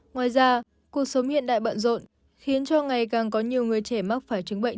ngoài ra cuộc sống hiện đại bận rộn khiến cho ngày càng có nhiều người trẻ mắc phải chứng bệnh